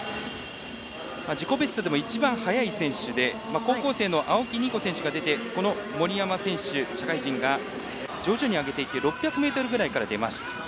自己ベストでも一番早い選手で高校生の青木虹光選手が出て森山選手、社会人が徐々に上げてきて６００ｍぐらいからきました。